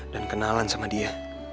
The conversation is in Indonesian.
dan kenalan sama dia